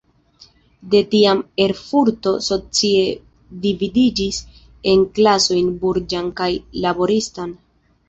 De tiam Erfurto socie dividiĝis en klasojn burĝan kaj laboristan.